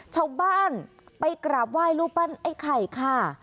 ชาวบ้านไปกราบไหว้รูปปั้นไอ้ไข่ค่ะ